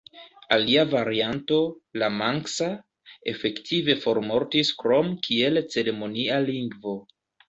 Alia varianto, la manksa, efektive formortis krom kiel ceremonia lingvo.